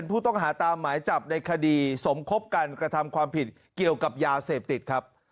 ผู้ต้องหาตามหมายจับในคดีสมคบกันกระทำความผิดเกี่ยวกับยาเสพติดครับ